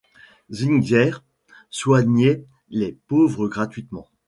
Zwinger soignait les pauvres gratuitement.